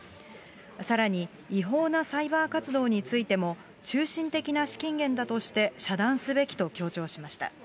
さらに、違法なサイバー活動についても、中心的な資金源だとして遮断すべきと強調しました。